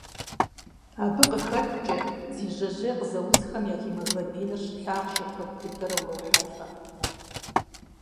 Абы къыхэкӏкӏэ, зи жьэжьей къызэузхэм я гемоглобиныр щылъахъшэ куэд дыдэрэ урохьэлӏэ.